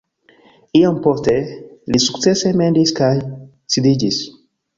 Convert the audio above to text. Iom poste, ni sukcese mendis kaj sidiĝis